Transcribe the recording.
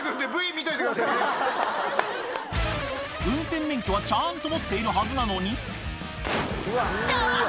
運転免許はちゃんと持っているはずなのにあぁ！